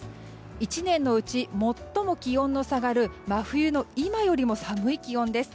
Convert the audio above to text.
１年のうち最も気温の下がる真冬の今よりも寒い気温です。